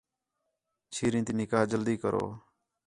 چِھیریں تی نکاح جلدی کرو